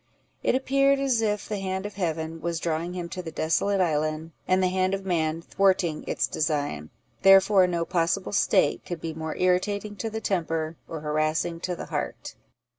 It appeared as if the hand of Heaven was drawing him to the desolate island, and the hand of man thwarting its design; therefore no possible state could be more irritating to the temper, or harassing to the heart.